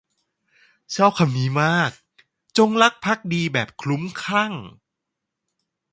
ชอบคำนี้มาก “จงรักภักดีแบบคลุ้มคลั่ง”